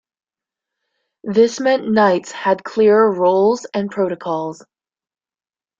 This meant knights had clearer roles and protocols.